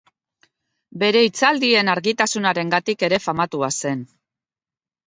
Bere hitzaldien argitasunarengatik ere famatua zen.